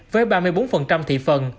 với ba mươi bốn thị phần